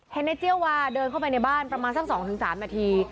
เห็นในเจี้ยวาเดินเข้าไปในบ้านประมาณสัก๒๓นาที